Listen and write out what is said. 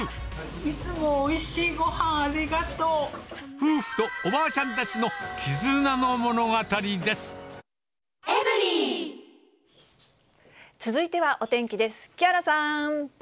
いつもおいしいごはんありが夫婦とおばあちゃんたちの絆続いてはお天気です。